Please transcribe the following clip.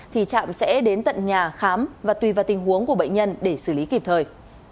thì trạm sẽ đến tận nhà khám và tùy vào tình huống của bệnh nhân để xử lý kịp thời